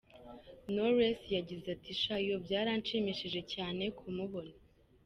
Knowless yagize ati :”Sha, yooo… byaranshimishije cyane kumubona.